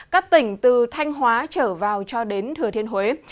các tỉnh từ thanh hóa trở vào cho đến thừa thiên huế